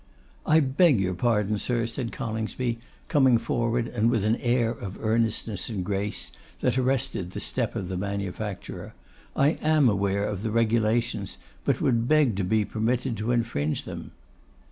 'I beg your pardon, sir,' said Coningsby, coming forward, and with an air of earnestness and grace that arrested the step of the manufacturer. 'I am aware of the regulations, but would beg to be permitted to infringe them.